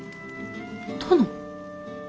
殿？